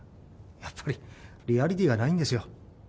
やっぱりリアリティーがないんですよ。